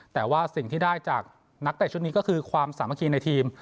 แต่ว่าสิ่งที่ได้จากนักเตะชุดนี้ก็คือความสามัคคีในทีม